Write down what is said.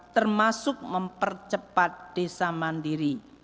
termasuk mempercepat desa mandiri